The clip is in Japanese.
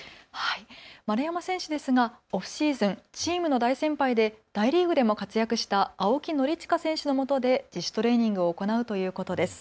丸山選手ですがオフシーズン、チームの大先輩で大リーグでも活躍した青木宣親選手のもとで自主トレーニングを行うということです。